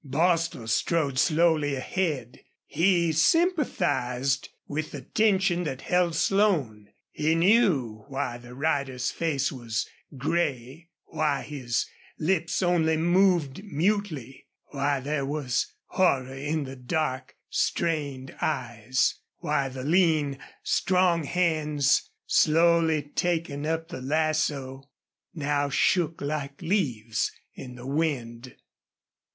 Bostil strode slowly ahead. He sympathized with the tension that held Slone; he knew why the rider's face was gray, why his lips only moved mutely, why there was horror in the dark, strained eyes, why the lean, strong hands, slowly taking up the lasso, now shook like leaves in the wind.